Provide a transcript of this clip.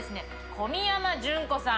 小宮山順子さん